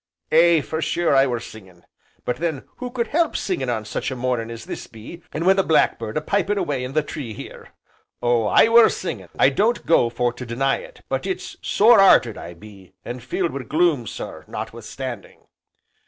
"Aye, for sure I were singin', but then who could help singin' on such a mornin' as this be, an' wi' the black bird a piping away in the tree here. Oh! I were singin', I don't go for to deny it, but it's sore 'earted I be, an' filled wi' gloom sir, notwithstanding."